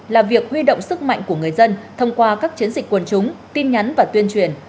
là việc huy động sức mạnh của người dân thông qua các chiến dịch quân chúng tin nhắn và tuyên truyền